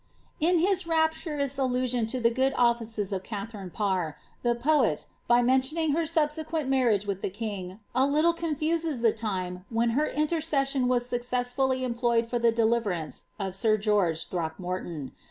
'* In his rapturous allusion to the good offices of Katharine Parr, the poet, by mentioning her subsequent marriage with the king, a little con fuses the time when her intercession was successfully employed for the deliverance of sir George Throckmorton.